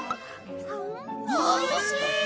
おいしい！